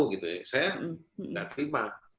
saya nggak terima